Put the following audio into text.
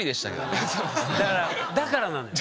だからだからなのよ。